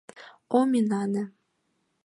— Ом инане!